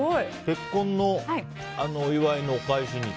結婚のお祝いのお返しに。